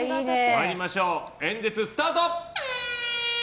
参りましょう、演説スタート！